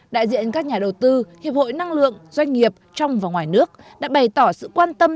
đại diện các nhà đầu tư hiệp hội năng lượng doanh nghiệp trong và ngoài nước đã bày tỏ sự quan tâm